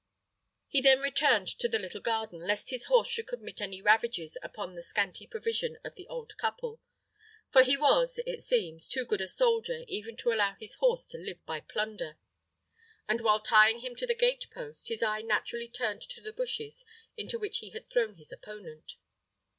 He then returned to the little garden, lest his horse should commit any ravages upon the scanty provision of the old couple (for he was, it seems, too good a soldier even to allow his horse to live by plunder), and while tying him to the gate post, his eye naturally turned to the bushes into which he had thrown his opponent.